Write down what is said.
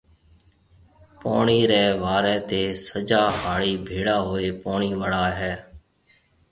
پوڻِي ريَ واريَ تي سجا هاڙِي ڀيڙا هوئي پوڻِي وڙائي هيَ۔